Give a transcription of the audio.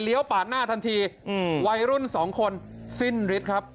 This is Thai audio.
ปาดหน้าทันทีอืมวัยรุ่นสองคนสิ้นฤทธิ์ครับ